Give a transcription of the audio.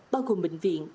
bao gồm bệnh viện